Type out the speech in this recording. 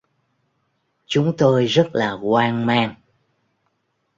chúng tôi rất là hoang mang